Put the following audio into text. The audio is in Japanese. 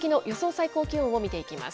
最高気温を見ていきます。